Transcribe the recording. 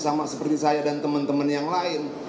sama seperti saya dan teman teman yang lain